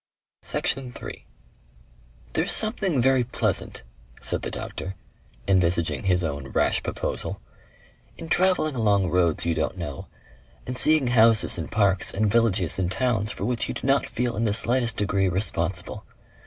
Section 3 "There's something very pleasant," said the doctor, envisaging his own rash proposal, "in travelling along roads you don't know and seeing houses and parks and villages and towns for which you do not feel in the slightest degree responsible.